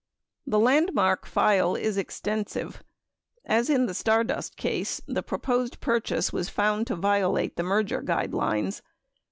16 The Landmark file is extensive. 17 As in the Stardust case, the pro posed purchase was found to violate the merger guidelines.